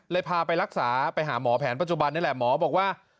พาไปรักษาไปหาหมอแผนปัจจุบันนี่แหละหมอบอกว่า